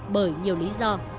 bởi nhiều lý do